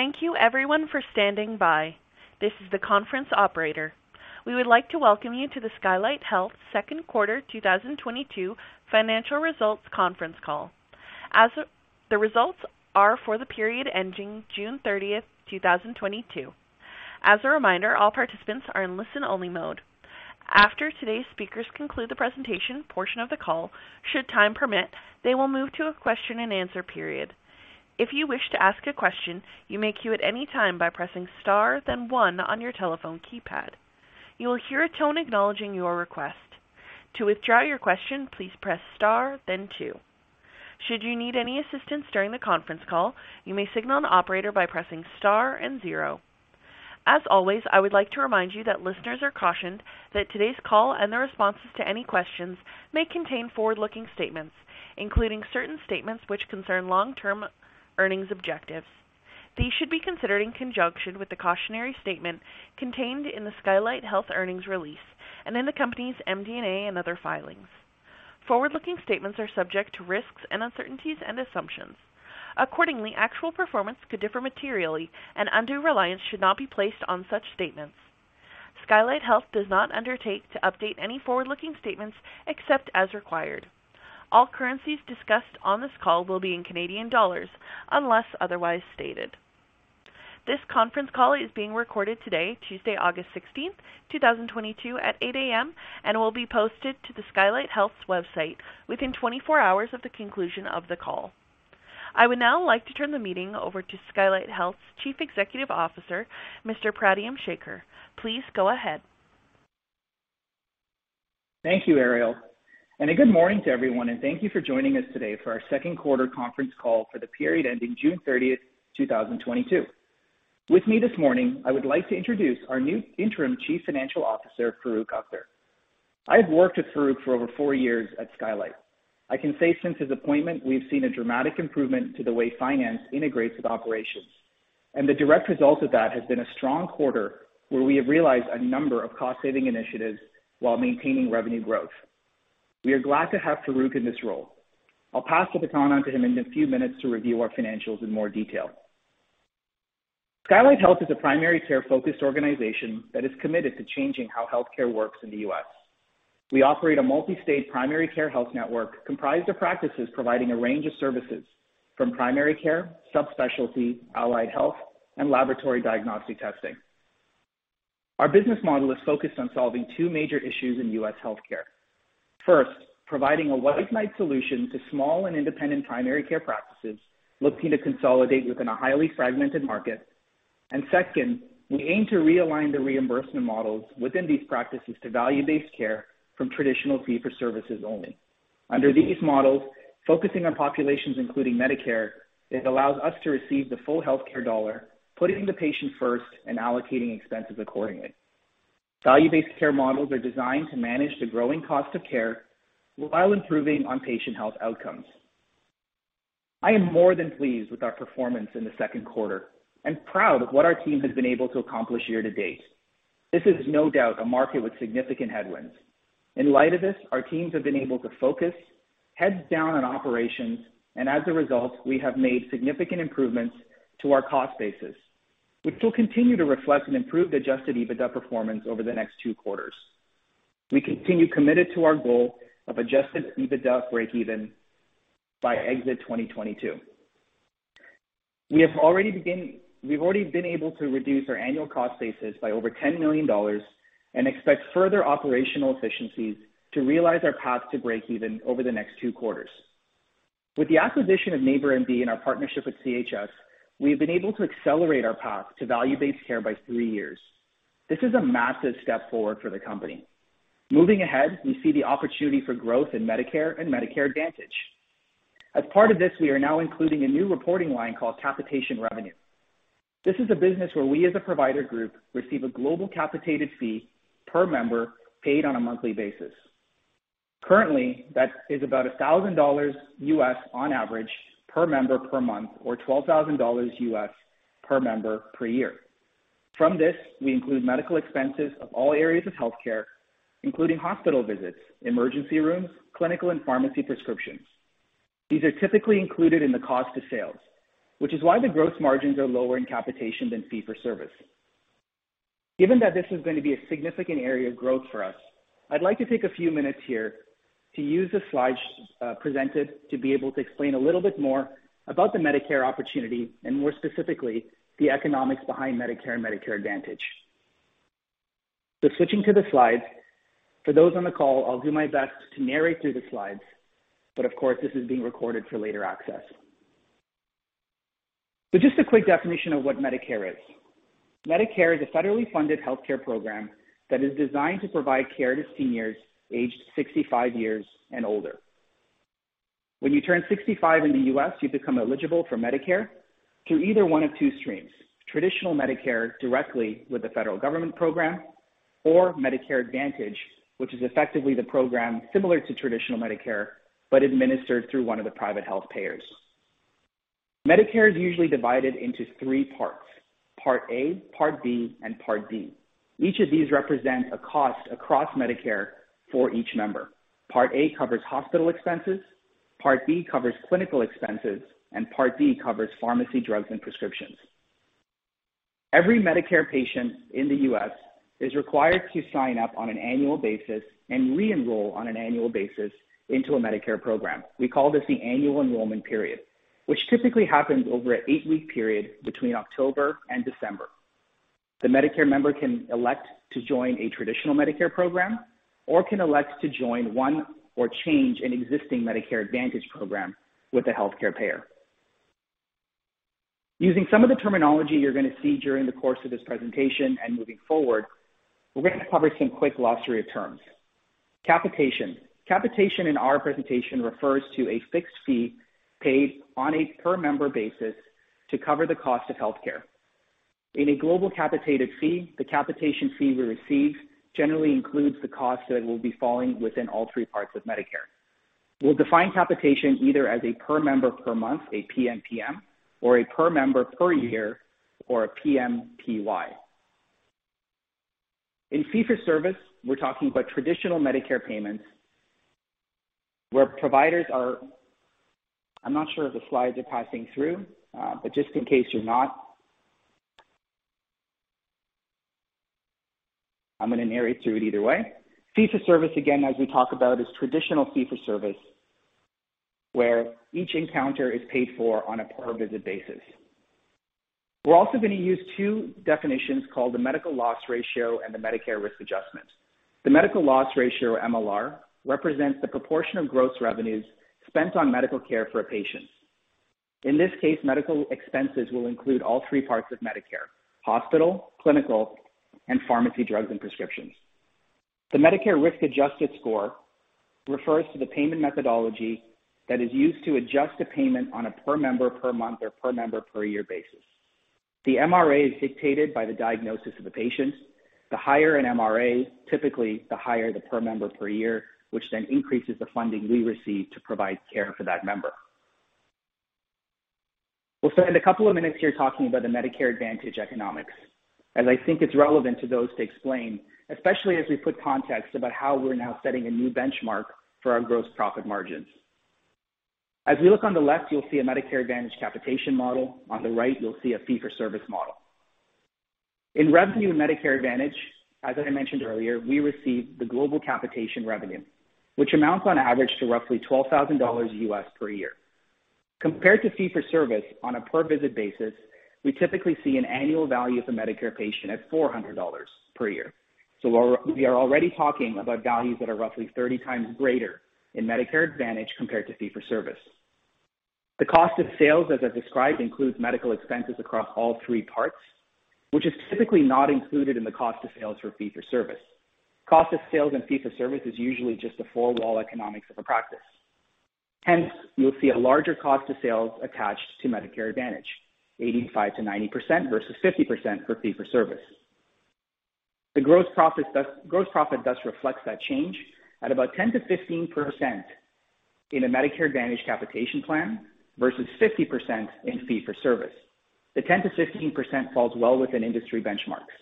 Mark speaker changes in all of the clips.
Speaker 1: Thank you everyone for standing by. This is the conference operator. We would like to welcome you to the Skylight Health Second Quarter 2022 Financial Results Conference Call. As the results are for the period ending June 30th, 2022. As a reminder, all participants are in listen-only mode. After today's speakers conclude the presentation portion of the call, should time permit, they will move to a question-and-answer period. If you wish to ask a question, you may queue at any time by pressing star then one on your telephone keypad. You will hear a tone acknowledging your request. To withdraw your question, please press star then two. Should you need any assistance during the conference call, you may signal an operator by pressing star and zero. As always, I would like to remind you that listeners are cautioned that today's call and the responses to any questions may contain forward-looking statements, including certain statements which concern long-term earnings objectives. These should be considered in conjunction with the cautionary statement contained in the Skylight Health earnings release and in the company's MD&A and other filings. Forward-looking statements are subject to risks and uncertainties and assumptions. Accordingly, actual performance could differ materially and undue reliance should not be placed on such statements. Skylight Health does not undertake to update any forward-looking statements except as required. All currencies discussed on this call will be in Canadian dollars unless otherwise stated. This conference call is being recorded today, Tuesday, August 16, 2022 at 8:00 A.M. and will be posted to the Skylight Health's website within 24 hours of the conclusion of the call. I would now like to turn the meeting over to Skylight Health's Chief Executive Officer, Mr. Pradyum Sekar. Please go ahead.
Speaker 2: Thank you, Ariel, and a good morning to everyone, and thank you for joining us today for our second quarter conference call for the period ending June 30th, 2022. With me this morning, I would like to introduce our new Interim Chief Financial Officer, Farooq Akhter. I have worked with Farooq for over four years at Skylight. I can say since his appointment, we've seen a dramatic improvement to the way finance integrates with operations. The direct result of that has been a strong quarter where we have realized a number of cost-saving initiatives while maintaining revenue growth. We are glad to have Farooq in this role. I'll pass the baton on to him in a few minutes to review our financials in more detail. Skylight Health is a primary care-focused organization that is committed to changing how healthcare works in the U.S. We operate a multi-state primary care health network comprised of practices providing a range of services from primary care, subspecialty, allied health, and laboratory diagnostic testing. Our business model is focused on solving two major issues in U.S. healthcare. First, providing a white knight solution to small and independent primary care practices looking to consolidate within a highly fragmented market. Second, we aim to realign the reimbursement models within these practices to value-based care from traditional fee-for-service only. Under these models, focusing on populations including Medicare, it allows us to receive the full healthcare dollar, putting the patient first and allocating expenses accordingly. Value-based care models are designed to manage the growing cost of care while improving on patient health outcomes. I am more than pleased with our performance in the second quarter and proud of what our team has been able to accomplish year to date. This is no doubt a market with significant headwinds. In light of this, our teams have been able to focus heads down on operations, and as a result, we have made significant improvements to our cost basis, which will continue to reflect an improved adjusted EBITDA performance over the next two quarters. We continue committed to our goal of adjusted EBITDA breakeven by exit 2022. We've already been able to reduce our annual cost basis by over $10 million and expect further operational efficiencies to realize our path to breakeven over the next two quarters. With the acquisition of NeighborMD and our partnership with CHS, we have been able to accelerate our path to value-based care by three years. This is a massive step forward for the company. Moving ahead, we see the opportunity for growth in Medicare and Medicare Advantage. As part of this, we are now including a new reporting line called capitation revenue. This is a business where we as a provider group receive a global capitated fee per member paid on a monthly basis. Currently, that is about $1,000 on average per member per month or $12,000 per member per year. From this, we include medical expenses of all areas of healthcare, including hospital visits, emergency rooms, clinical and pharmacy prescriptions. These are typically included in the cost of sales, which is why the gross margins are lower in capitation than fee-for-service. Given that this is going to be a significant area of growth for us, I'd like to take a few minutes here to use the slides, presented to be able to explain a little bit more about the Medicare opportunity and more specifically, the economics behind Medicare and Medicare Advantage. Switching to the slides. For those on the call, I'll do my best to narrate through the slides, but of course, this is being recorded for later access. Just a quick definition of what Medicare is. Medicare is a federally funded healthcare program that is designed to provide care to seniors aged 65 years and older. When you turn 65 in the U.S., you become eligible for Medicare through either one of two streams: traditional Medicare directly with the federal government program or Medicare Advantage, which is effectively the program similar to traditional Medicare, but administered through one of the private health payers. Medicare is usually divided into three parts: Part A, Part B, and Part D. Each of these represents a cost across Medicare for each member. Part A covers hospital expenses. Part B covers clinical expenses, and Part D covers pharmacy drugs and prescriptions. Every Medicare patient in the U.S. is required to sign up on an annual basis and re-enroll on an annual basis into a Medicare program. We call this the annual enrollment period, which typically happens over an 8-week period between October and December. The Medicare member can elect to join a traditional Medicare program or can elect to join one or change an existing Medicare Advantage program with a healthcare payer. Using some of the terminology you're gonna see during the course of this presentation and moving forward, we're gonna cover some quick glossary of terms. Capitation. Capitation in our presentation refers to a fixed fee paid on a per member basis to cover the cost of healthcare. In a global capitated fee, the capitation fee we receive generally includes the cost that will be falling within all three parts of Medicare. We'll define capitation either as a per-member-per-month, a PMPM, or a per-member-per-year, or a PMPY. In fee-for-service, we're talking about traditional Medicare payments where providers are... I'm not sure if the slides are passing through, but just in case you're not, I'm gonna narrate through it either way. Fee-for-service, again, as we talk about, is traditional fee-for-service, where each encounter is paid for on a per visit basis. We're also gonna use two definitions called the medical loss ratio and the Medicare risk adjustment. The medical loss ratio, MLR, represents the proportion of gross revenues spent on medical care for a patient. In this case, medical expenses will include all three parts of Medicare, hospital, clinical, and pharmacy drugs and prescriptions. The Medicare risk-adjusted score refers to the payment methodology that is used to adjust a payment on a per-member-per-month or per-member-per-year basis. The MRA is dictated by the diagnosis of a patient. The higher an MRA, typically the higher the per member per year, which then increases the funding we receive to provide care for that member. We'll spend a couple of minutes here talking about the Medicare Advantage economics, as I think it's relevant to those to explain, especially as we put context about how we're now setting a new benchmark for our gross profit margins. As we look on the left, you'll see a Medicare Advantage capitation model. On the right, you'll see a fee-for-service model. In revenue and Medicare Advantage, as I mentioned earlier, we receive the global capitation revenue, which amounts on average to roughly $12,000 per year. Compared to fee-for-service on a per visit basis, we typically see an annual value of a Medicare patient at $400 per year. We are already talking about values that are roughly 30x greater in Medicare Advantage compared to fee-for-service. The cost of sales, as I've described, includes medical expenses across all three parts, which is typically not included in the cost of sales for fee-for-service. Cost of sales in fee-for-service is usually just the four-wall economics of a practice. Hence, you'll see a larger cost of sales attached to Medicare Advantage, 85%-90% versus 50% for fee-for-service. The gross profit thus reflects that change at about 10%-15% in a Medicare Advantage capitation plan versus 50% in fee-for-service. The 10%-15% falls well within industry benchmarks.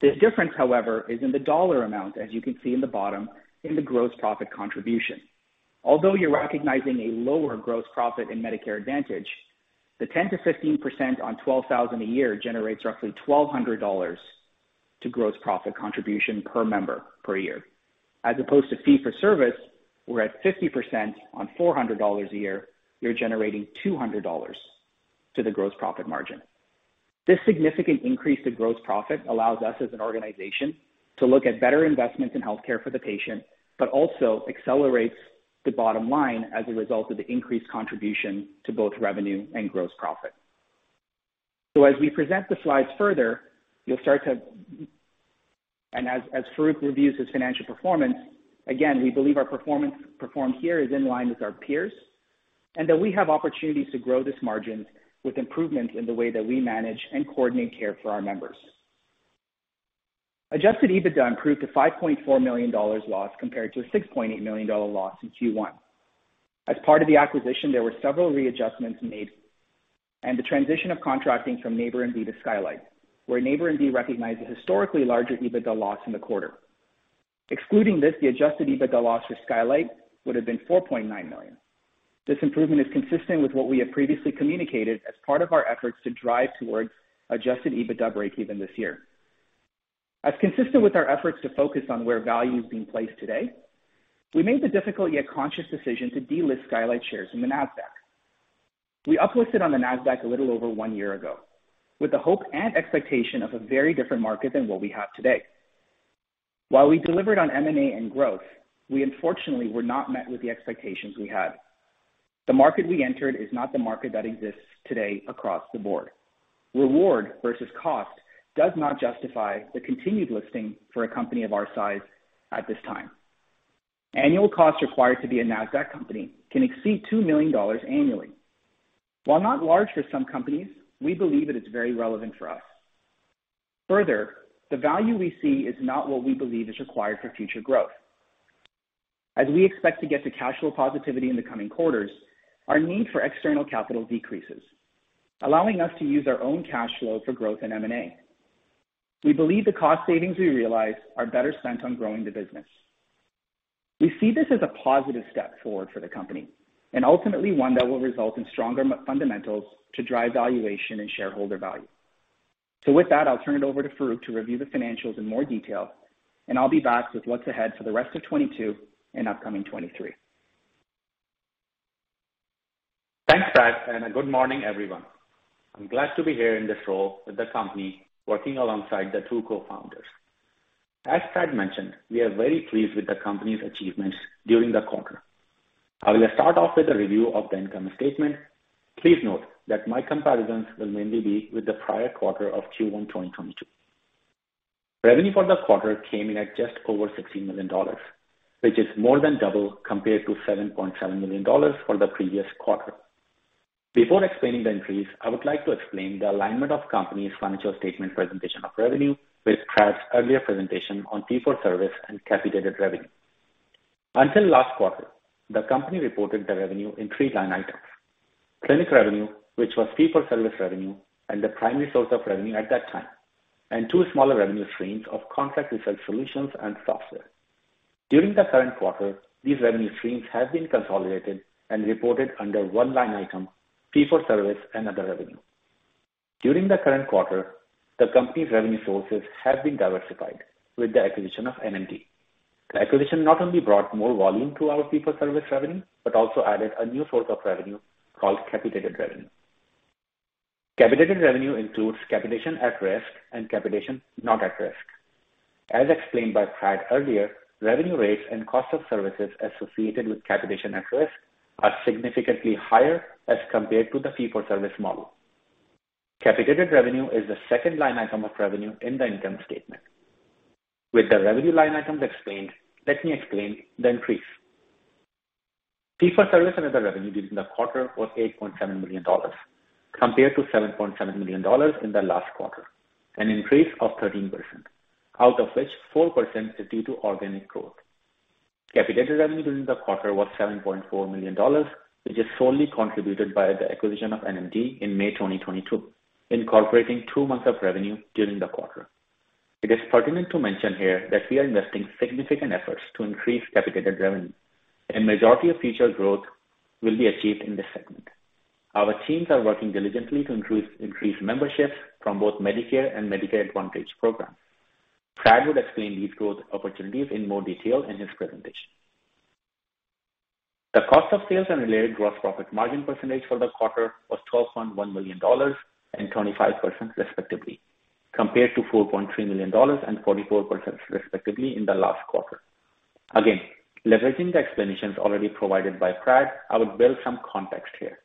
Speaker 2: The difference, however, is in the dollar amount, as you can see in the bottom in the gross profit contribution. Although you're recognizing a lower gross profit in Medicare Advantage, the 10%-15% on $12,000 a year generates roughly $1,200 to gross profit contribution per member per year, as opposed to fee-for-service, where at 50% on $400 a year, you're generating $200 to the gross profit margin. This significant increase to gross profit allows us as an organization to look at better investments in healthcare for the patient, but also accelerates the bottom line as a result of the increased contribution to both revenue and gross profit. As we present the slides further, you'll start to. As Farooq reviews his financial performance, again, we believe our performance here is in line with our peers and that we have opportunities to grow this margin with improvement in the way that we manage and coordinate care for our members. Adjusted EBITDA improved to $5.4 million loss compared to a $6.8 million loss in Q1. As part of the acquisition, there were several readjustments made and the transition of contracting from NeighborMD to Skylight, where NeighborMD recognized a historically larger EBITDA loss in the quarter. Excluding this, the adjusted EBITDA loss for Skylight would have been $4.9 million. This improvement is consistent with what we have previously communicated as part of our efforts to drive towards adjusted EBITDA breakeven this year. As consistent with our efforts to focus on where value is being placed today, we made the difficult yet conscious decision to delist Skylight shares in the Nasdaq. We uplisted on the Nasdaq a little over one year ago with the hope and expectation of a very different market than what we have today. While we delivered on M&A and growth, we unfortunately were not met with the expectations we had. The market we entered is not the market that exists today across the board. Reward versus cost does not justify the continued listing for a company of our size at this time. Annual costs required to be a Nasdaq company can exceed $2 million annually. While not large for some companies, we believe that it's very relevant for us. Further, the value we see is not what we believe is required for future growth. As we expect to get to cash flow positivity in the coming quarters, our need for external capital decreases, allowing us to use our own cash flow for growth in M&A. We believe the cost savings we realize are better spent on growing the business. We see this as a positive step forward for the company and ultimately one that will result in stronger macro fundamentals to drive valuation and shareholder value. With that, I'll turn it over to Farooq to review the financials in more detail, and I'll be back with what's ahead for the rest of 2022 and upcoming 2023.
Speaker 3: Thanks, Prad, and good morning, everyone. I'm glad to be here in this role with the company, working alongside the two co-founders. As Prad mentioned, we are very pleased with the company's achievements during the quarter. I will start off with a review of the income statement. Please note that my comparisons will mainly be with the prior quarter of Q1 2022. Revenue for the quarter came in at just over 16 million dollars, which is more than double compared to 7.7 million dollars for the previous quarter. Before explaining the increase, I would like to explain the alignment of company's financial statement presentation of revenue with Prad's earlier presentation on fee-for-service and capitated revenue. Until last quarter, the company reported the revenue in three line items: clinic revenue, which was fee-for-service revenue and the primary source of revenue at that time, and two smaller revenue streams of contract research solutions and software. During the current quarter, these revenue streams have been consolidated and reported under one line item, fee-for-service and other revenue. During the current quarter, the company's revenue sources have been diversified with the acquisition of NMD. The acquisition not only brought more volume to our fee-for-service revenue, but also added a new source of revenue called capitated revenue. Capitated revenue includes capitation at risk and capitation not at risk. As explained by Brad earlier, revenue rates and cost of services associated with capitation at risk are significantly higher as compared to the fee-for-service model. Capitated revenue is the second line item of revenue in the income statement. With the revenue line items explained, let me explain the increase. Fee-for-service and other revenue during the quarter was 8.7 million dollars compared to 7.7 million dollars in the last quarter, an increase of 13%, out of which 4% is due to organic growth. Capitated revenue during the quarter was 7.4 million dollars, which is solely contributed by the acquisition of NMD in May 2022, incorporating two months of revenue during the quarter. It is pertinent to mention here that we are investing significant efforts to increase capitated revenue, and majority of future growth will be achieved in this segment. Our teams are working diligently to increase membership from both Medicare and Medicare Advantage programs. Prad would explain these growth opportunities in more detail in his presentation. The cost of sales and related gross profit margin percentage for the quarter was 12.1 million dollars and 25%, respectively, compared to 4.3 million dollars and 44%, respectively, in the last quarter. Again, leveraging the explanations already provided by Prad, I would build some context here.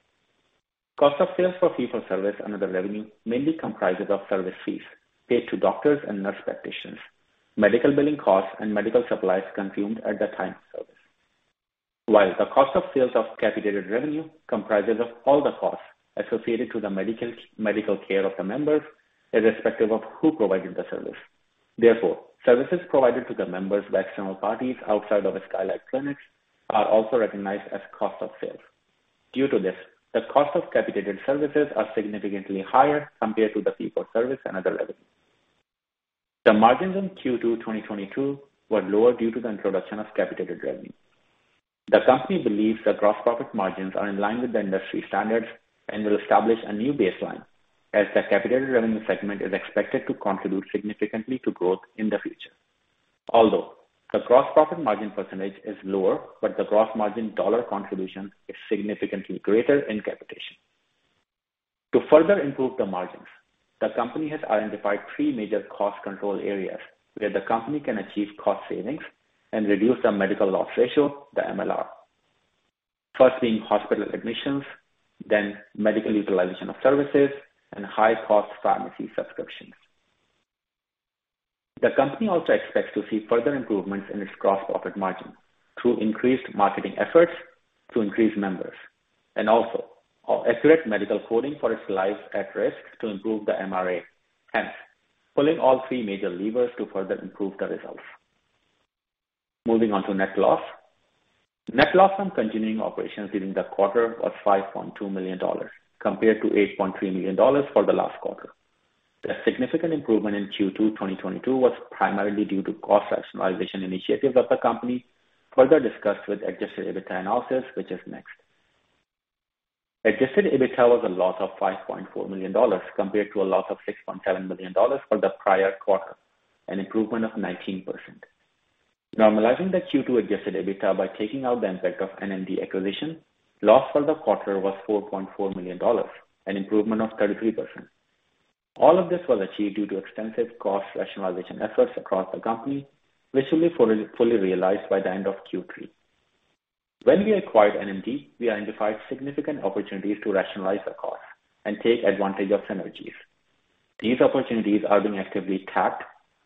Speaker 3: Cost of sales for fee-for-service and other revenue mainly comprises of service fees paid to doctors and nurse practitioners, medical billing costs, and medical supplies consumed at the time of service. While the cost of sales of capitated revenue comprises of all the costs associated to the medical care of the members, irrespective of who provided the service. Therefore, services provided to the members by external parties outside of the Skylight clinics are also recognized as cost of sales. Due to this, the cost of capitated services are significantly higher compared to the fee-for-service and other revenue. The margins in Q2 2022 were lower due to the introduction of capitated revenue. The company believes the gross profit margins are in line with the industry standards and will establish a new baseline as the capitated revenue segment is expected to contribute significantly to growth in the future. Although the gross profit margin percentage is lower, but the gross margin dollar contribution is significantly greater in capitation. To further improve the margins, the company has identified three major cost control areas where the company can achieve cost savings and reduce the medical loss ratio, the MLR. First being hospital admissions, then medical utilization of services, and high cost pharmacy subscriptions. The company also expects to see further improvements in its gross profit margin through increased marketing efforts to increase members and also accurate medical coding for its lives at risk to improve the MRA, hence pulling all three major levers to further improve the results. Moving on to net loss. Net loss from continuing operations during the quarter was 5.2 million dollars, compared to 8.3 million dollars for the last quarter. The significant improvement in Q2 2022 was primarily due to cost rationalization initiatives of the company, further discussed with adjusted EBITDA analysis, which is next. Adjusted EBITDA was a loss of 5.4 million dollars, compared to a loss of 6.7 million dollars for the prior quarter, an improvement of 19%. Normalizing the Q2 adjusted EBITDA by taking out the impact of NMD acquisition, loss for the quarter was 4.4 million dollars, an improvement of 33%. All of this was achieved due to extensive cost rationalization efforts across the company, which will be fully realized by the end of Q3. When we acquired NMD, we identified significant opportunities to rationalize the cost and take advantage of synergies. These opportunities are being actively tapped.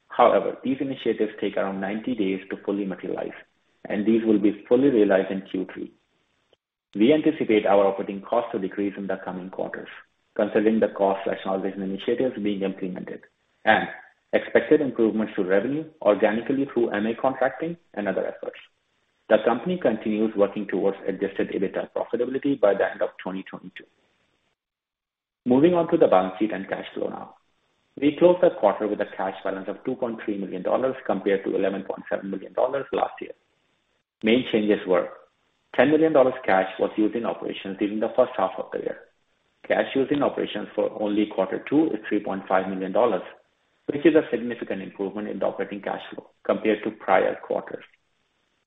Speaker 3: However, these initiatives take around 90 days to fully materialize, and these will be fully realized in Q3. We anticipate our operating costs to decrease in the coming quarters, considering the cost rationalization initiatives being implemented and expected improvements to revenue organically through MA contracting and other efforts. The company continues working towards adjusted EBITDA profitability by the end of 2022. Moving on to the balance sheet and cash flow now. We closed the quarter with a cash balance of 2.3 million dollars compared to 11.7 million dollars last year. Main changes were 10 million dollars cash was used in operations during the first half of the year. Cash used in operations for only quarter two is 3.5 million dollars, which is a significant improvement in the operating cash flow compared to prior quarters.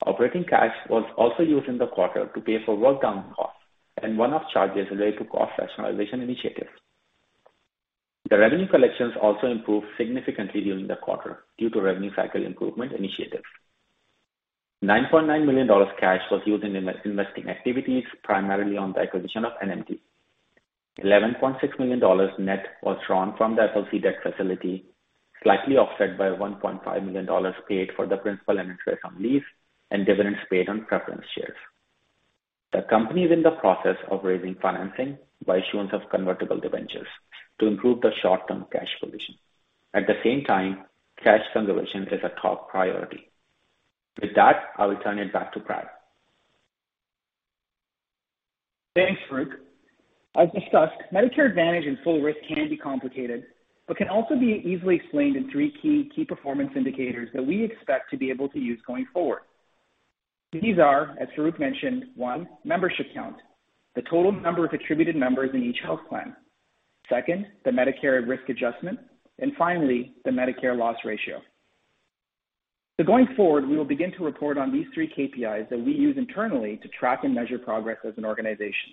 Speaker 3: Operating cash was also used in the quarter to pay for wind-down costs and one-off charges related to cost rationalization initiatives. The revenue collections also improved significantly during the quarter due to revenue cycle improvement initiatives. 9.9 million dollars cash was used in investing activities, primarily on the acquisition of NMD. 11.6 million dollars net was drawn from the FLC debt facility, slightly offset by 1.5 million dollars paid for the principal and interest on lease and dividends paid on preference shares. The company is in the process of raising financing by issuance of convertible debentures to improve the short-term cash position. At the same time, cash conservation is a top priority. With that, I will turn it back to Prad.
Speaker 2: Thanks, Farooq. As discussed, Medicare Advantage and full risk can be complicated, but can also be easily explained in three key performance indicators that we expect to be able to use going forward. These are, as Farooq mentioned, one, membership count, the total number of attributed members in each health plan. Second, the Medicare risk adjustment. Finally, the medical loss ratio. Going forward, we will begin to report on these three KPIs that we use internally to track and measure progress as an organization.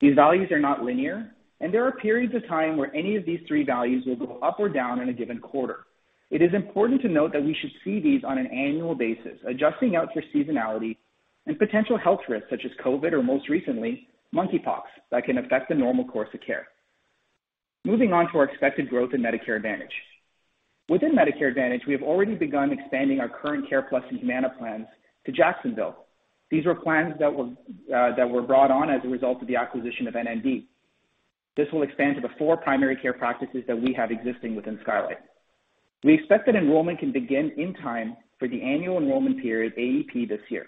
Speaker 2: These values are not linear, and there are periods of time where any of these three values will go up or down in a given quarter. It is important to note that we should see these on an annual basis, adjusting out for seasonality and potential health risks such as COVID or most recently, monkeypox, that can affect the normal course of care. Moving on to our expected growth in Medicare Advantage. Within Medicare Advantage, we have already begun expanding our current CarePlus and Humana plans to Jacksonville. These were plans that were brought on as a result of the acquisition of NMD. This will expand to the four primary care practices that we have existing within Skylight. We expect that enrollment can begin in time for the annual enrollment period, AEP, this year.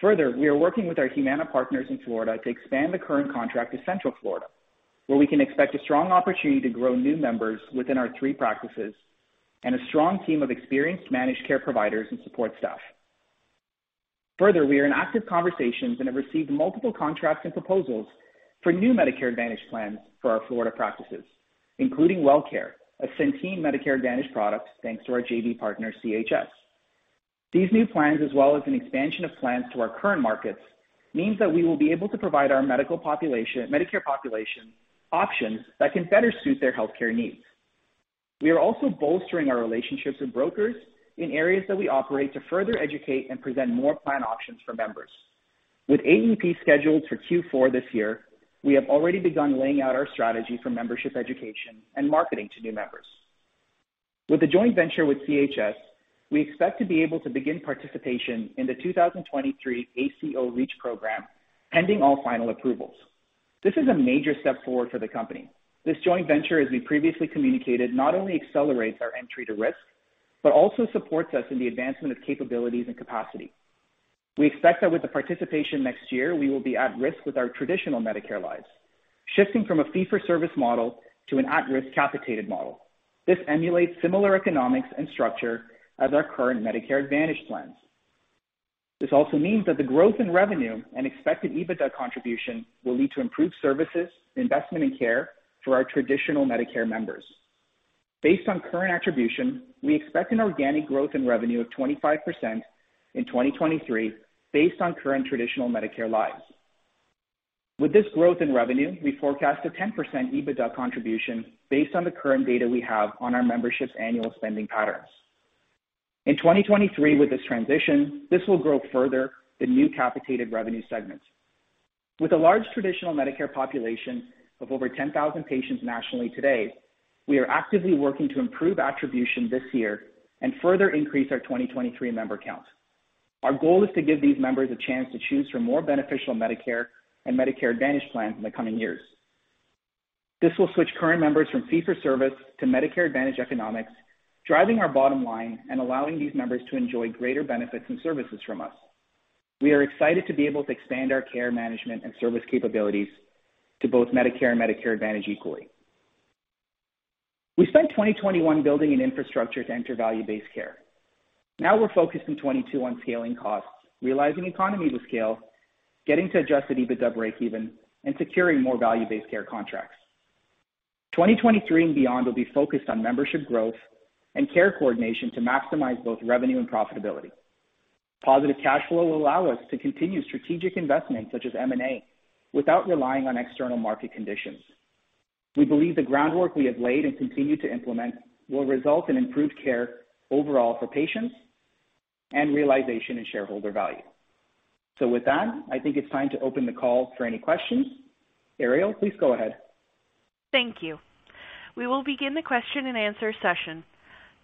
Speaker 2: Further, we are working with our Humana partners in Florida to expand the current contract to Central Florida, where we can expect a strong opportunity to grow new members within our three practices and a strong team of experienced managed care providers and support staff. Further, we are in active conversations and have received multiple contracts and proposals for new Medicare Advantage plans for our Florida practices, including Wellcare, a Centene Medicare Advantage product, thanks to our JV partner, CHS. These new plans as well as an expansion of plans to our current markets, means that we will be able to provide our Medicare population options that can better suit their healthcare needs. We are also bolstering our relationships with brokers in areas that we operate to further educate and present more plan options for members. With AEP scheduled for Q4 this year, we have already begun laying out our strategy for membership education and marketing to new members. With the joint venture with CHS, we expect to be able to begin participation in the 2023 ACO REACH program, pending all final approvals. This is a major step forward for the company. This joint venture, as we previously communicated, not only accelerates our entry to risk, but also supports us in the advancement of capabilities and capacity. We expect that with the participation next year, we will be at risk with our traditional Medicare lives, shifting from a fee-for-service model to an at-risk capitated model. This emulates similar economics and structure as our current Medicare Advantage plans. This also means that the growth in revenue and expected EBITDA contribution will lead to improved services, investment in care for our traditional Medicare members. Based on current attribution, we expect an organic growth in revenue of 25% in 2023, based on current traditional Medicare lives. With this growth in revenue, we forecast a 10% EBITDA contribution based on the current data we have on our membership's annual spending patterns. In 2023 with this transition, this will grow further the new capitated revenue segments. With a large traditional Medicare population of over 10,000 patients nationally today, we are actively working to improve attribution this year and further increase our 2023 member count. Our goal is to give these members a chance to choose from more beneficial Medicare and Medicare Advantage plans in the coming years. This will switch current members from fee-for-service to Medicare Advantage economics, driving our bottom line and allowing these members to enjoy greater benefits and services from us. We are excited to be able to expand our care management and service capabilities to both Medicare and Medicare Advantage equally. We spent 2021 building an infrastructure to enter value-based care. Now we're focused in 2022 on scaling costs, realizing economies of scale, getting to adjusted EBITDA breakeven, and securing more value-based care contracts. 2023 and beyond will be focused on membership growth and care coordination to maximize both revenue and profitability. Positive cash flow will allow us to continue strategic investments such as M&A without relying on external market conditions. We believe the groundwork we have laid and continue to implement will result in improved care overall for patients and realization in shareholder value. With that, I think it's time to open the call for any questions. Ariel, please go ahead.
Speaker 1: Thank you. We will begin the question and answer session.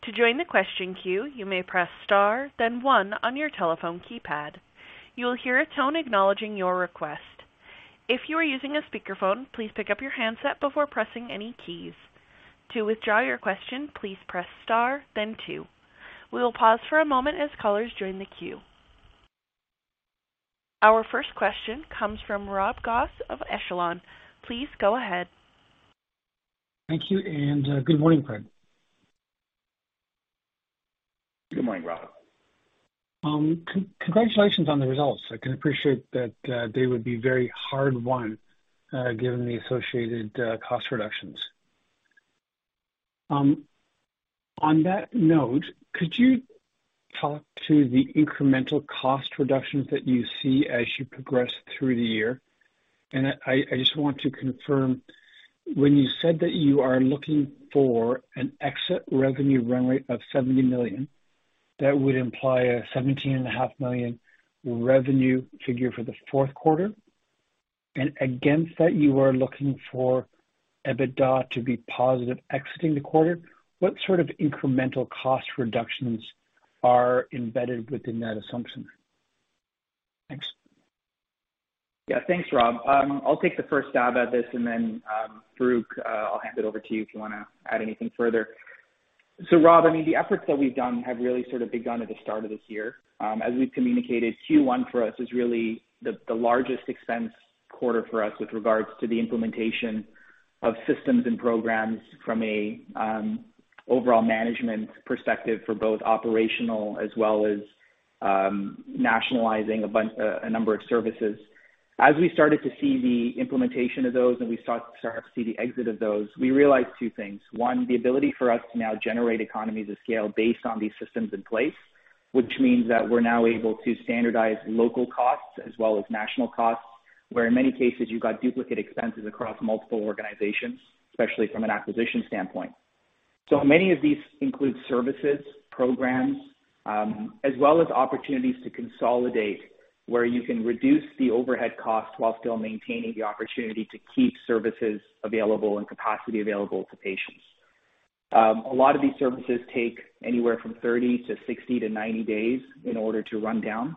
Speaker 1: To join the question queue, you may press star then one on your telephone keypad. You will hear a tone acknowledging your request. If you are using a speakerphone, please pick up your handset before pressing any keys. To withdraw your question, please press star then two. We will pause for a moment as callers join the queue. Our first question comes from Rob Goff of Echelon. Please go ahead.
Speaker 4: Thank you and good morning, Prad Sekar.
Speaker 2: Good morning, Rob.
Speaker 4: Congratulations on the results. I can appreciate that they would be very hard won, given the associated cost reductions. On that note, could you talk to the incremental cost reductions that you see as you progress through the year? I just want to confirm, when you said that you are looking for an exit revenue run rate of 70 million, that would imply a 17.5 million revenue figure for the fourth quarter. Against that, you are looking for EBITDA to be positive exiting the quarter. What sort of incremental cost reductions are embedded within that assumption? Thanks.
Speaker 2: Yeah. Thanks, Rob. I'll take the first stab at this, and then, Farooq, I'll hand it over to you if you wanna add anything further. Rob, I mean, the efforts that we've done have really sort of begun at the start of this year. As we've communicated, Q1 for us is really the largest expense quarter for us with regards to the implementation of systems and programs from a overall management perspective for both operational as well as nationalizing a bunch, a number of services. As we started to see the implementation of those and we started to see the exit of those, we realized two things. One, the ability for us to now generate economies of scale based on these systems in place, which means that we're now able to standardize local costs as well as national costs, where in many cases you got duplicate expenses across multiple organizations, especially from an acquisition standpoint. Many of these include services, programs, as well as opportunities to consolidate where you can reduce the overhead cost while still maintaining the opportunity to keep services available and capacity available to patients. A lot of these services take anywhere from 30-60-90 days in order to run down.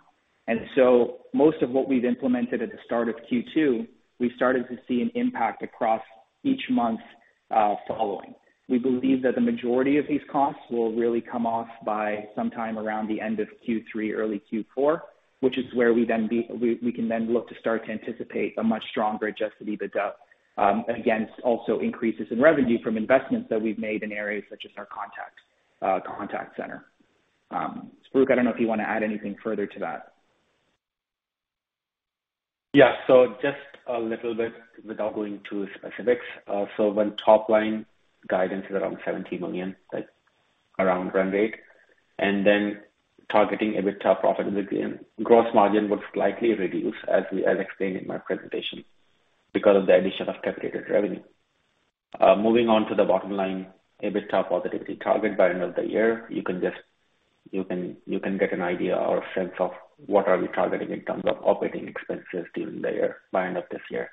Speaker 2: Most of what we've implemented at the start of Q2, we've started to see an impact across each month following. We believe that the majority of these costs will really come off by sometime around the end of Q3, early Q4, which is where we can then look to start to anticipate a much stronger adjusted EBITDA against also increases in revenue from investments that we've made in areas such as our contact center. Farooq, I don't know if you wanna add anything further to that.
Speaker 3: Yeah. Just a little bit without going into specifics. When top line guidance is around 70 million, like around run rate, and then targeting EBITDA profit in the green, gross margin would likely reduce as explained in my presentation because of the addition of capitated revenue. Moving on to the bottom line, EBITDA positivity target by end of the year. You can get an idea or a sense of what we are targeting in terms of operating expenses during the year by end of this year.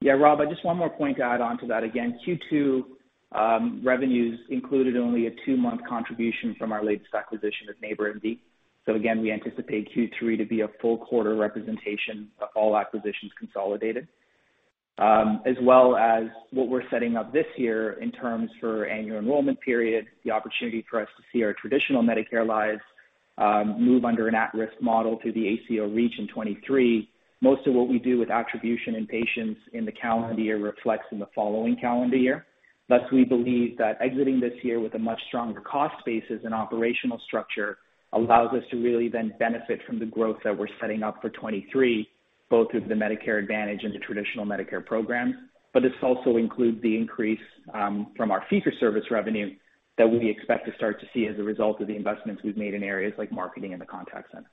Speaker 2: Yeah, Rob, just one more point to add on to that. Again, Q2 revenues included only a 2-month contribution from our latest acquisition of NeighborMD. Again, we anticipate Q3 to be a full quarter representation of all acquisitions consolidated. As well as what we're setting up this year in terms of annual enrollment period, the opportunity for us to see our traditional Medicare lives move under an at-risk model through the ACO REACH in 2023. Most of what we do with attribution and patients in the calendar year reflects in the following calendar year. Thus, we believe that exiting this year with a much stronger cost basis and operational structure allows us to really then benefit from the growth that we're setting up for 2023, both through the Medicare Advantage and the traditional Medicare program. This also includes the increase from our fee-for-service revenue that we expect to start to see as a result of the investments we've made in areas like marketing and the contact center.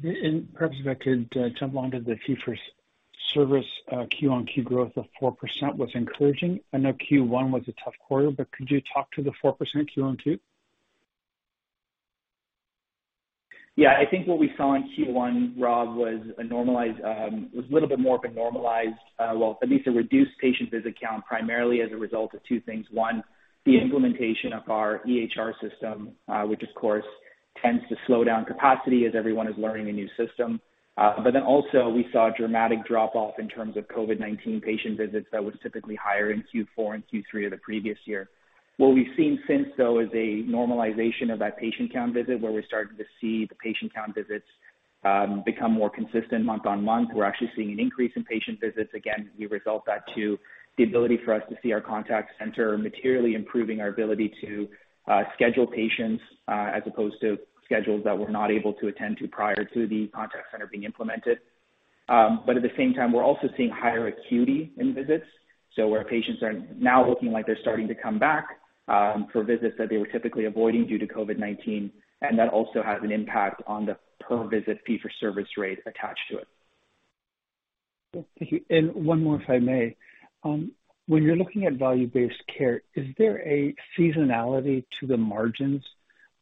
Speaker 4: Perhaps if I could jump onto the fee-for-service Q-on-Q growth of 4% was encouraging. I know Q1 was a tough quarter, but could you talk to the 4% Q-on-Q?
Speaker 2: Yeah. I think what we saw in Q1, Rob, was a little bit more of a normalized, well, at least a reduced patient visit count, primarily as a result of two things. One, the implementation of our EHR system, which of course tends to slow down capacity as everyone is learning a new system. We saw a dramatic drop-off in terms of COVID-19 patient visits that were typically higher in Q4 and Q3 of the previous year. What we've seen since though is a normalization of that patient count visit where we're starting to see the patient count visits become more consistent month-on-month. We're actually seeing an increase in patient visits. Again, we attribute that to the ability for us to see our contact center materially improving our ability to schedule patients, as opposed to schedules that we're not able to attend to prior to the contact center being implemented. At the same time, we're also seeing higher acuity in visits. Patients are now looking like they're starting to come back for visits that they were typically avoiding due to COVID-19, and that also has an impact on the per visit fee-for-service rate attached to it.
Speaker 4: Thank you. One more, if I may. When you're looking at value-based care, is there a seasonality to the margins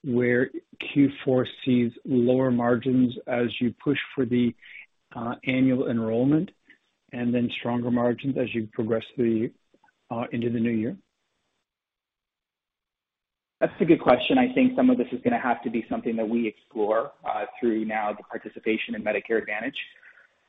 Speaker 4: where Q4 sees lower margins as you push for the annual enrollment and then stronger margins as you progress into the new year?
Speaker 2: That's a good question. I think some of this is gonna have to be something that we explore through now the participation in Medicare Advantage.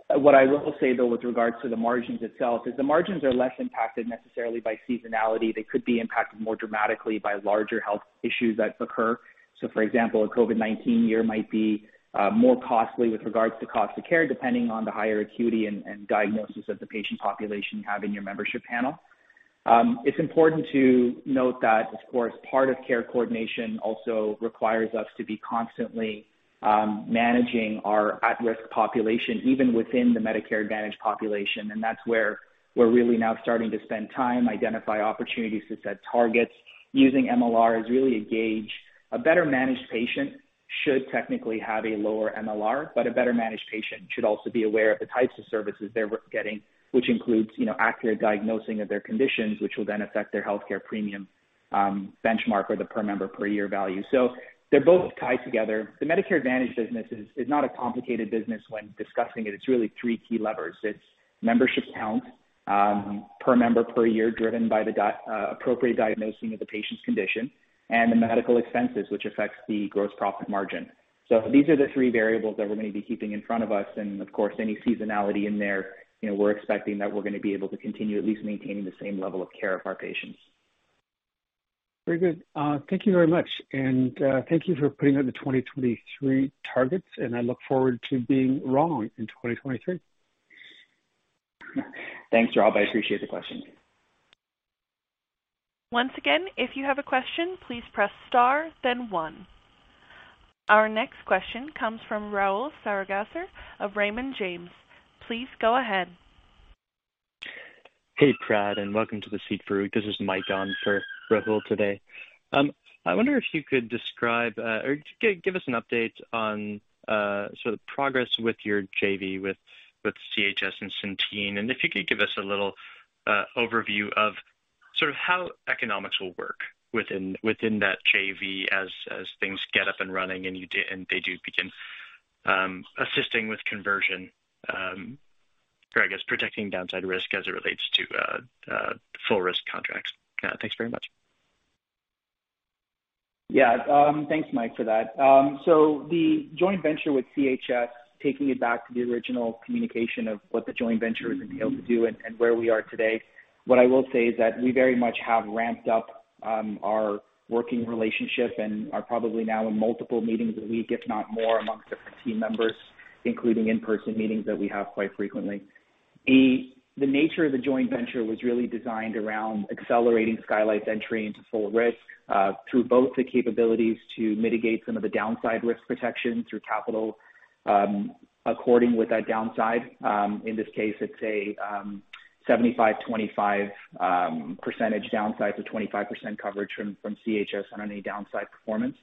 Speaker 2: What I will say though, with regards to the margins itself, is the margins are less impacted necessarily by seasonality. They could be impacted more dramatically by larger health issues that occur. So for example, a COVID-19 year might be more costly with regards to cost of care, depending on the higher acuity and diagnosis of the patient population you have in your membership panel. It's important to note that of course, part of care coordination also requires us to be constantly managing our at-risk population, even within the Medicare Advantage population. That's where we're really now starting to spend time, identify opportunities to set targets using MLR as really a gauge. A better managed patient should technically have a lower MLR, but a better managed patient should also be aware of the types of services they're getting, which includes, you know, accurate diagnosing of their conditions, which will then affect their healthcare premium, benchmark or the per member per year value. They're both tied together. The Medicare Advantage business is not a complicated business when discussing it. It's really three key levers. It's membership count, per member per year, driven by the appropriate diagnosing of the patient's condition and the medical expenses, which affects the gross profit margin. These are the three variables that we're going to be keeping in front of us, and of course, any seasonality in there, you know, we're expecting that we're gonna be able to continue at least maintaining the same level of care of our patients.
Speaker 4: Very good. Thank you very much. Thank you for putting out the 2023 targets, and I look forward to being wrong in 2023.
Speaker 2: Thanks, Rob. I appreciate the question.
Speaker 1: Once again, if you have a question, please press star, then one. Our next question comes from Rahul Sarugaser of Raymond James. Please go ahead.
Speaker 5: Hey, Prad, and welcome to the seat. This is Mike on for Rahul today. I wonder if you could describe or give us an update on sort of progress with your JV with CHS and Centene. If you could give us a little overview of sort of how economics will work within that JV as things get up and running and they do begin assisting with conversion or I guess protecting downside risk as it relates to full risk contracts. Thanks very much.
Speaker 2: Yeah. Thanks, Mike, for that. The joint venture with CHS, taking it back to the original communication of what the joint venture is entailed to do and where we are today, what I will say is that we very much have ramped up our working relationship and are probably now in multiple meetings a week, if not more, among different team members, including in-person meetings that we have quite frequently. The nature of the joint venture was really designed around accelerating Skylight's entry into full risk through both the capabilities to mitigate some of the downside risk protection through capital according with that downside. In this case, it's a 75/25 percentage downside, so 25% coverage from CHS on any downside performance.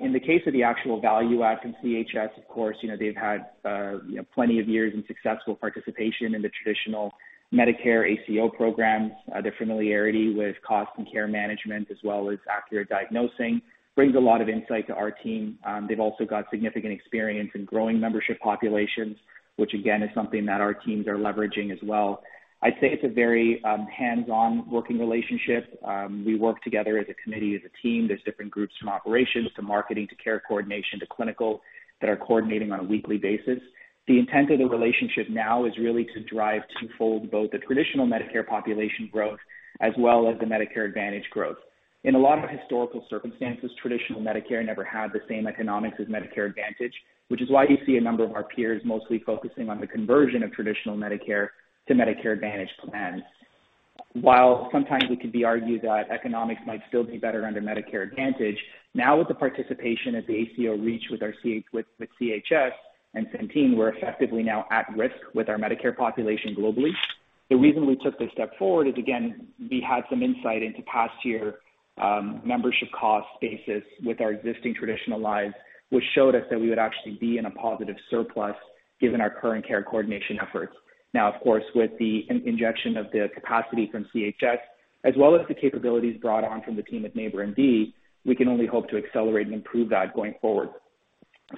Speaker 2: In the case of the actual value add from CHS, of course, you know, they've had plenty of years in successful participation in the traditional Medicare ACO programs. Their familiarity with cost and care management as well as accurate diagnosing brings a lot of insight to our team. They've also got significant experience in growing membership populations, which again, is something that our teams are leveraging as well. I'd say it's a very hands-on working relationship. We work together as a committee, as a team. There's different groups from operations to marketing to care coordination to clinical that are coordinating on a weekly basis. The intent of the relationship now is really to drive twofold, both the traditional Medicare population growth as well as the Medicare Advantage growth. In a lot of historical circumstances, traditional Medicare never had the same economics as Medicare Advantage, which is why you see a number of our peers mostly focusing on the conversion of traditional Medicare to Medicare Advantage plans. While sometimes it could be argued that economics might still be better under Medicare Advantage, now with the participation of the ACO REACH with CHS and Centene, we're effectively now at risk with our Medicare population globally. The reason we took this step forward is, again, we had some insight into past year, membership cost basis with our existing traditional lives, which showed us that we would actually be in a positive surplus given our current care coordination efforts. Now, of course, with the injection of the capacity from CHS, as well as the capabilities brought on from the team at NeighborMD, we can only hope to accelerate and improve that going forward.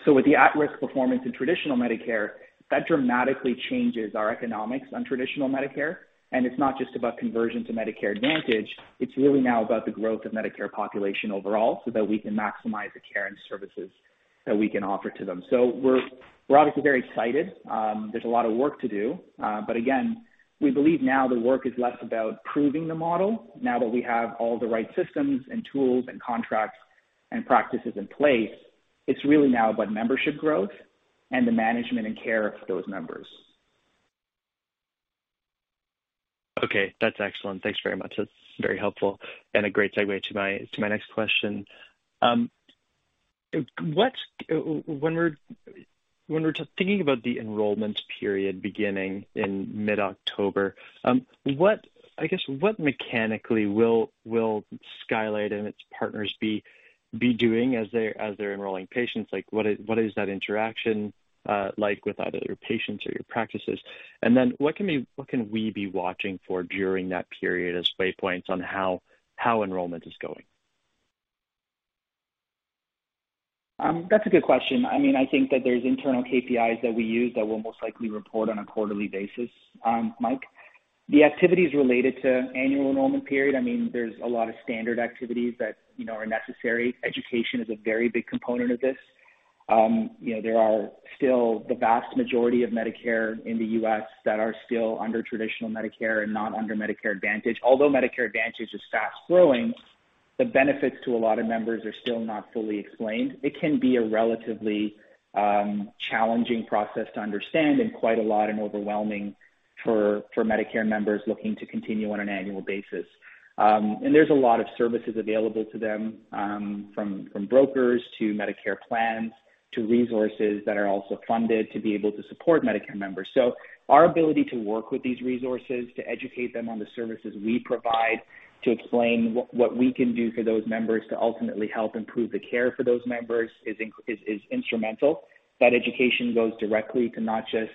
Speaker 2: With the at-risk performance in traditional Medicare, that dramatically changes our economics on traditional Medicare. It's not just about conversion to Medicare Advantage, it's really now about the growth of Medicare population overall so that we can maximize the care and services that we can offer to them. We're obviously very excited. There's a lot of work to do. Again, we believe now the work is less about proving the model. Now that we have all the right systems and tools and contracts and practices in place, it's really now about membership growth and the management and care of those members.
Speaker 5: Okay. That's excellent. Thanks very much. That's very helpful and a great segue to my next question. When we're thinking about the enrollment period beginning in mid-October, what mechanically will Skylight and its partners be doing as they're enrolling patients? Like, what is that interaction like with either your patients or your practices? And then what can we be watching for during that period as waypoints on how enrollment is going?
Speaker 2: That's a good question. I mean, I think that there's internal KPIs that we use that we'll most likely report on a quarterly basis, Mike. The activities related to annual enrollment period, I mean, there's a lot of standard activities that, you know, are necessary. Education is a very big component of this. You know, there are still the vast majority of Medicare in the U.S. that are still under traditional Medicare and not under Medicare Advantage. Although Medicare Advantage is fast-growing, the benefits to a lot of members are still not fully explained. It can be a relatively challenging process to understand and quite a lot and overwhelming for Medicare members looking to continue on an annual basis. There's a lot of services available to them, from brokers to Medicare plans to resources that are also funded to be able to support Medicare members. Our ability to work with these resources, to educate them on the services we provide, to explain what we can do for those members to ultimately help improve the care for those members is instrumental. That education goes directly to not just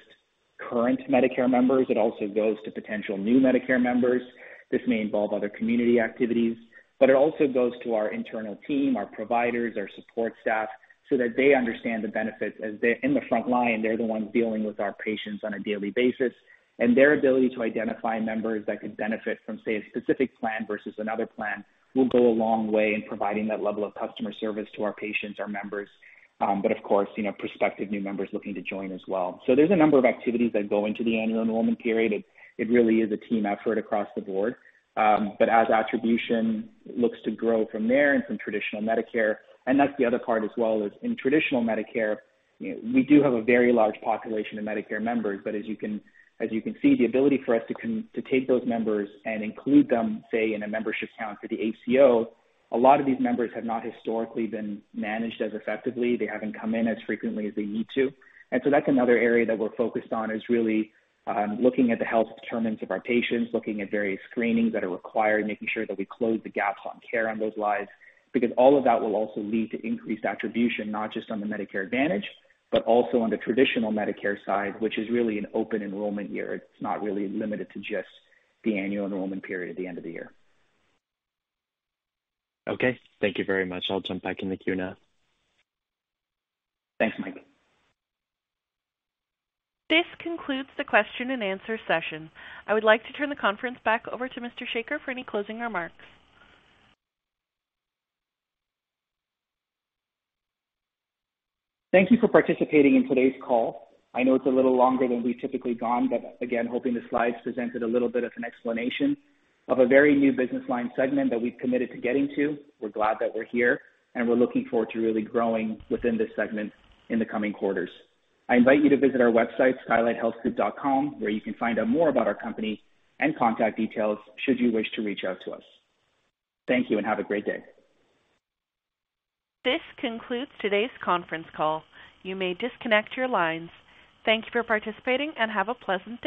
Speaker 2: current Medicare members. It also goes to potential new Medicare members. This may involve other community activities, but it also goes to our internal team, our providers, our support staff, so that they understand the benefits as they're in the front line. They're the ones dealing with our patients on a daily basis, and their ability to identify members that could benefit from, say, a specific plan versus another plan will go a long way in providing that level of customer service to our patients, our members. Of course, you know, prospective new members looking to join as well. There's a number of activities that go into the annual enrollment period. It really is a team effort across the board. As attribution looks to grow from there and from traditional Medicare, and that's the other part as well, is in traditional Medicare, you know, we do have a very large population of Medicare members. As you can see, the ability for us to con. to take those members and include them, say, in a membership count for the ACO. A lot of these members have not historically been managed as effectively. They haven't come in as frequently as they need to. That's another area that we're focused on, is really looking at the health determinants of our patients, looking at various screenings that are required, making sure that we close the gaps on care on those lives, because all of that will also lead to increased attribution, not just on the Medicare Advantage, but also on the traditional Medicare side, which is really an open enrollment year. It's not really limited to just the annual enrollment period at the end of the year.
Speaker 5: Okay. Thank you very much. I'll jump back in the queue now.
Speaker 2: Thanks, Mike.
Speaker 1: This concludes the question and answer session. I would like to turn the conference back over to Mr. Sekar for any closing remarks.
Speaker 2: Thank you for participating in today's call. I know it's a little longer than we've typically gone, but again, hoping the slides presented a little bit of an explanation of a very new business line segment that we've committed to getting to. We're glad that we're here, and we're looking forward to really growing within this segment in the coming quarters. I invite you to visit our website, skylighthealthgroup.com, where you can find out more about our company and contact details should you wish to reach out to us. Thank you and have a great day.
Speaker 1: This concludes today's conference call. You may disconnect your lines. Thank you for participating and have a pleasant day.